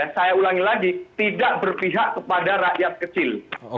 saya ulangi lagi tidak berpihak kepada rakyat kecil